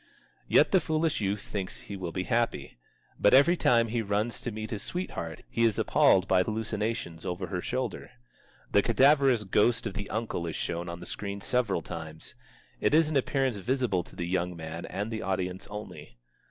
Yet the foolish youth thinks he will be happy. But every time he runs to meet his sweetheart he is appalled by hallucinations over her shoulder. The cadaverous ghost of the uncle is shown on the screen several times. It is an appearance visible to the young man and the audience only.